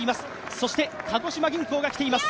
そして鹿児島銀行がきています。